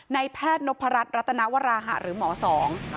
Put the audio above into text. แพทย์นพรัชรัตนวราหะหรือหมอสอง